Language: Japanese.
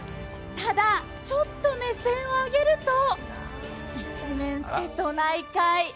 ただ、ちょっと目線を上げると、一面瀬戸内海。